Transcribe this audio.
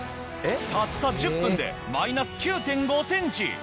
たった１０分でマイナス９．５センチ！